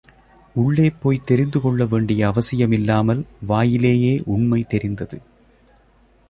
உள்ளே போய்த் தெரிந்துகொள்ள வேண்டிய அவசியமில்லாமல் வாயிலிலேயே உண்மை தெரிந்தது.